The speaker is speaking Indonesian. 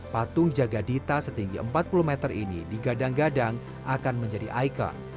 patung jagadita setinggi empat puluh meter ini digadang gadang akan menjadi icon